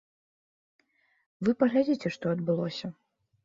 Вы паглядзіце, што адбылося.